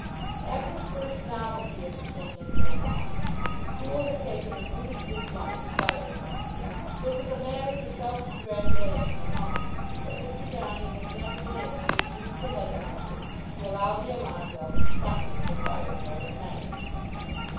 After the first novelty of the thing had worn off, the school had taken a rooted dislike to fire drill. It was a matter for self congratulation among them that Mr. Downing had never been able to induce the headmaster to allow the alarm bell to be sounded for fire drill at night.